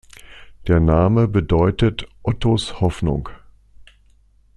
Der Name bedeutet „Ottos Hoffnung“.